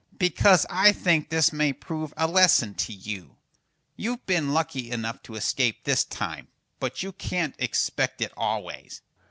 "Because I think this may prove a lesson to you. You've been lucky enough to escape this time, but you can't expect it always."